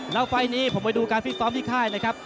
แล้วไฟล์นี้ผมไปดูการฟิตซ้อมที่ค่ายนะครับ